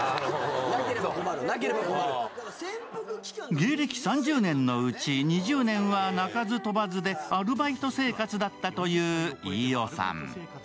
芸歴３０年のうち２０年は鳴かず飛ばずでアルバイト生活だったという飯尾さん。